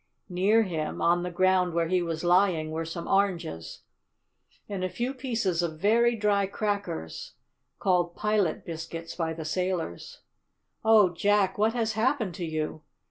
Near him, on the ground where he was lying, were some oranges, and a few pieces of very dry crackers, called "pilot biscuits" by the sailors. "Oh, Jack, what has happened to you?